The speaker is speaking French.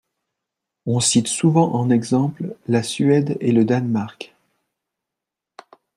On cite souvent en exemple la Suède et le Danemark.